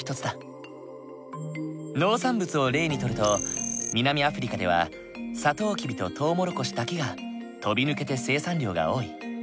農産物を例にとると南アフリカではさとうきびととうもろこしだけが飛び抜けて生産量が多い。